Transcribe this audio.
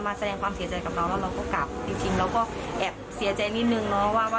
แสดงความเสียใจกับเราแล้วเราก็กลับจริงเราก็แอบเสียใจนิดนึงเนาะว่า